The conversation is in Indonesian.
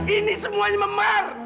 ini semuanya memar